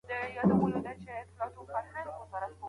مسجود کیدل د ادم لوی اعزاز و.